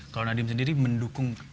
kalau nadiem sendiri mendukung